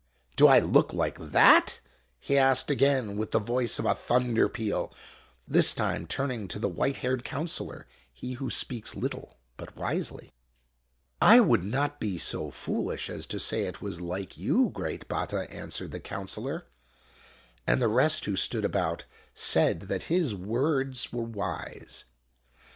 "Do I look like that? ' he asked again, with the voice of a thunder peal, this time turning to the white haired counselor, he who speaks little but wisely. " I would not be so foolish as to say it was like you, great Batta !" answered the counselor ; and the rest who stood about said that his words were wise.